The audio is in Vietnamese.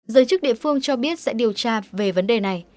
giới chức địa phương cho biết sẽ điều tra về vấn đề này